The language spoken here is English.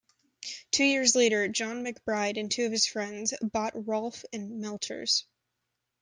Two years later, John McBride and two of his friends, bought Rolph and Melchers.